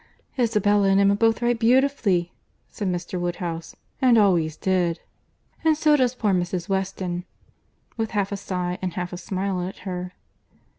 "Isabella and Emma both write beautifully," said Mr. Woodhouse; "and always did. And so does poor Mrs. Weston"—with half a sigh and half a smile at her.